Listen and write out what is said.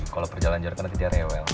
kalau perjalanan jarak nanti dia rewel